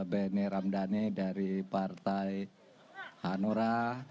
bn ramdane dari partai hanora